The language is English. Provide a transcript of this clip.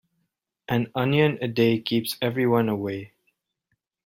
An onion a day keeps everyone away.